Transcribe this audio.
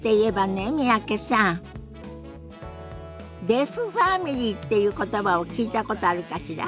「デフファミリー」っていう言葉を聞いたことあるかしら？